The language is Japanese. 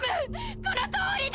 このとおりだ！